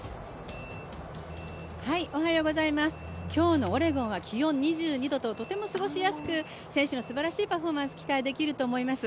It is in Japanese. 今日のオレゴンは気温２２度ととても過ごしやすく選手のすばらしいパフォーマンス期待できると思います。